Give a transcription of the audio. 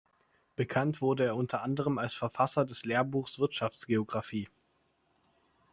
Bekannt wurde er unter anderem als Verfasser des Lehrbuchs „Wirtschaftsgeographie“.